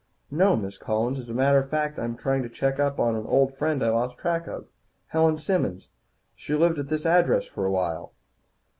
"No, Miss Collins. As a matter of fact, I'm trying to check up on an old friend I lost track of. Helen Simmons. She lived at this address for a while."